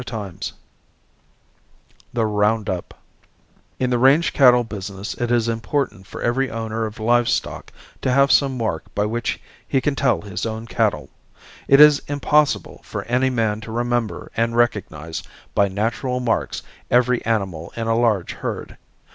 CHAPTER V THE ROUND UP In the range cattle business it is important for every owner of live stock to have some mark by which he can tell his own cattle. It is impossible for any man to remember and recognize by natural marks every animal in a large herd.